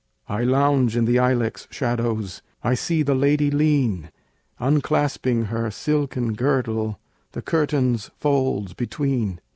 I lounge in the ilex shadows, I see the lady lean, Unclasping her silken girdle, The curtain's folds between.